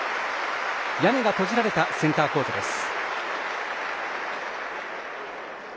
屋根が閉じられたセンターコートです。